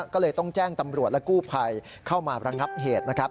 ก็เลยต้องแจ้งตำรวจและกู้ภัยเข้ามาระงับเหตุนะครับ